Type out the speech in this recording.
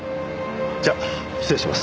じゃあ失礼します。